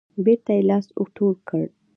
بیرته یې لاس ټول کړ.